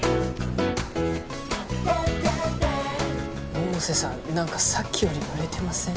百瀬さん何かさっきより濡れてません？